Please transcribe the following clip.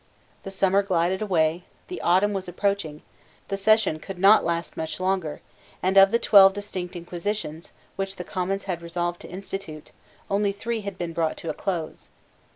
The summer glided away: the autumn was approaching: the session could not last much longer; and of the twelve distinct inquisitions, which the Commons had resolved to institute, only three had been brought to a close.